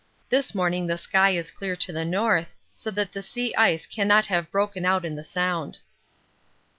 This morning the sky is clear to the north, so that the sea ice cannot have broken out in the Sound.